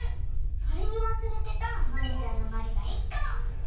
それにわすれてたマミちゃんのまるが１こ！